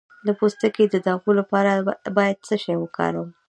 د پوستکي د داغونو لپاره باید څه شی وکاروم؟